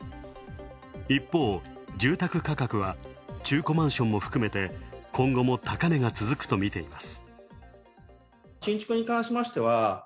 一方、住宅価格は中古マンションも含めて今後も高値が続くとみています。